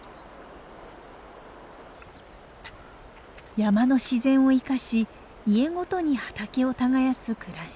山の自然を生かし家ごとに畑を耕す暮らし。